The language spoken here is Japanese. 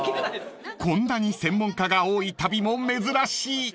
［こんなに専門家が多い旅も珍しい］